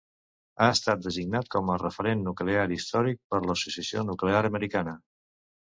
Ha estat designat com a referent nuclear històric per l'Associació Nuclear Americana.